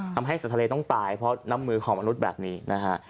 ทำให้สัตว์ทะเลต้องตายเพราะน้ำมือของมนุษย์แบบนี้นะฮะ